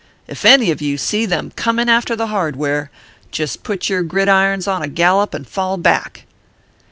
If any of you see them coming after the hardware, just put your gridirons on a gallop and fall back."